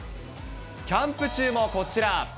キャンプ中もこちら。